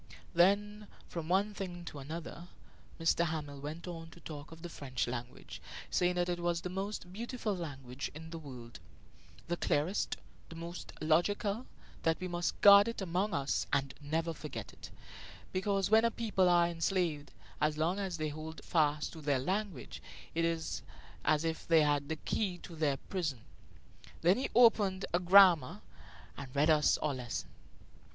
Then, from one thing to another, M. Hamel went on to talk of the French language, saying that it was the most beautiful language in the world the clearest, the most logical; that we must guard it among us and never forget it, because when a people are enslaved, as long as they hold fast to their language it is as if they had the key to their prison. Then he opened a grammar and read us our lesson.